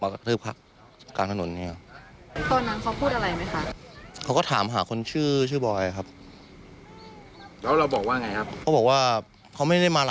คนที่ถูกทำร้ายทั้งสองคนคือคุณพงษกรและคุณเสกสรร